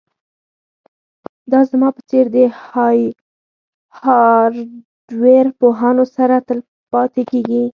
دا زما په څیر د هارډویر پوهانو سره پاتې کیږي